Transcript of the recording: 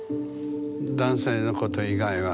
男性のこと以外は。